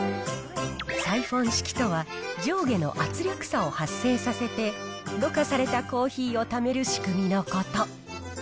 サイフォン式とは、上下の圧力差を発生させて、ろ過されたコーヒーをためる仕組みのこと。